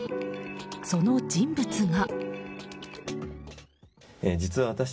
その人物が。